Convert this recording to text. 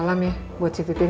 salam ya buat si titin